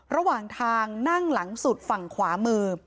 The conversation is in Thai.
ระหว่างทางนั่งหลังสุดฝั่งขวามือ